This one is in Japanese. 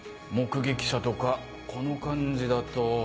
目撃者とかこの感じだと。